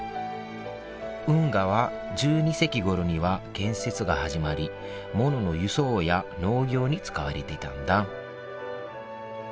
運河は１２世紀ごろには建設が始まりものの輸送や農業に使われていたんだ